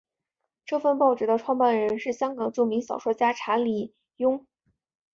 这份报纸的创办人是香港著名小说家查良镛。